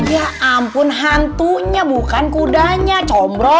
ya ampun hantunya bukan kudanya combro